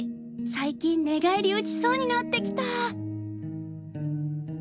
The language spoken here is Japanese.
最近寝返り打ちそうになってきた」。